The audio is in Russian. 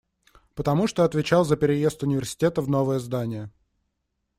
Потому что отвечал за переезд университета в новое здание.